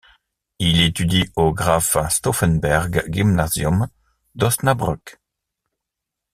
Il étudie au Graf-Stauffenberg-Gymnasium d'Osnabrück.